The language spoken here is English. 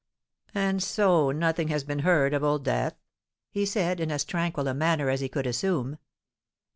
"And so nothing has been heard of Old Death?" he said, in as tranquil a manner as he could assume.